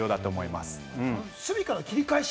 まず守備からの切り返し。